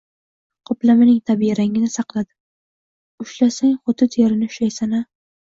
Qoplamaning tabiiy rangini saqladim, ushlasang, xuddi terini ushlaysan-a